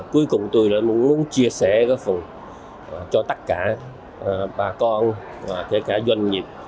cuối cùng tôi là muốn chia sẻ cái phần cho tất cả bà con và tất cả doanh nghiệp